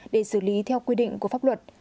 để xử lý theo quy định của pháp luật